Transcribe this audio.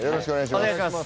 お願いします。